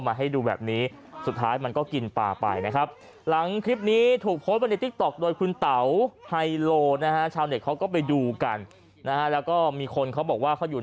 น้ำปังน้ำปังน้ำปังน้ำปังน้ำปังน้ำปังน้ำปังน้ำปังน้ำปัง